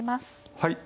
はい。